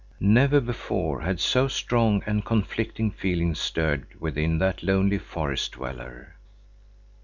Never before had so strong and conflicting feelings stirred within that lonely forest dweller.